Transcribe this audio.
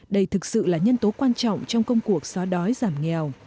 đây thực sự là nhân tố quan trọng trong công cuộc xóa đói giảm nghèo